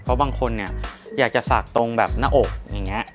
เพราะบางคนเนี่ยอยากจะศักดิ์ตรงแบบหน้าอกอย่างนี้